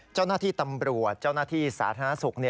เจ้าหน้าที่ตำรวจเจ้าหน้าที่สาธารณสุข